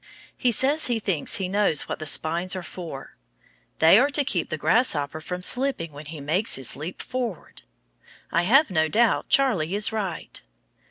He says he thinks he knows what the spines are for they are to keep the grasshopper from slipping when he makes his leap forward. I have no doubt Charlie is right.